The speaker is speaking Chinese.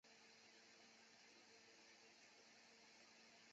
之后雨果详细介绍了尚万强的背景。